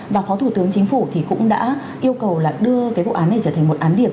và phó thủ tướng chính phủ thì cũng đã yêu cầu là đưa cái vụ án này trở thành một án điểm